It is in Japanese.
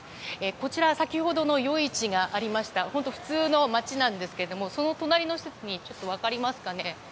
こちら先ほどの夜市がありました普通の街なんですがその隣の施設に、分かりますかね。